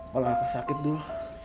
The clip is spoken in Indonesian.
polang aku sakit dulu